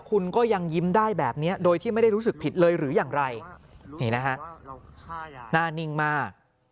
คุณก็ยังยิ้มได้แบบนี้โดยที่ไม่ได้รู้สึกผิดเลยหรืออย่างไรนี่นะฮะหน้านิ่งมาก